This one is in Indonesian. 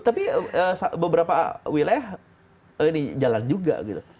tapi beberapa wilayah ini jalan juga gitu